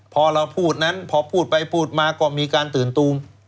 พอเราพูดนั้นพอพูดไปพูดมาก็มีการตื่นตูม